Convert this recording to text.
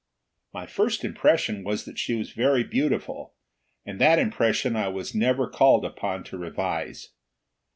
My first impression was that she was very beautiful and that impression I was never called upon to revise.